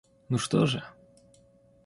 Ну что же?